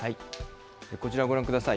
こちらをご覧ください。